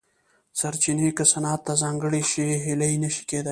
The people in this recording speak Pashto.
سرچینې که صنعت ته ځانګړې شي هیلې نه شي کېدای.